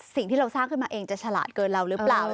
สิ่งที่เราสร้างขึ้นมาเองจะฉลาดเกินเราหรือเปล่า